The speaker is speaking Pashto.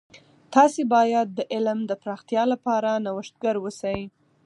تاسې باید د علم د پراختیا لپاره نوښتګر اوسئ.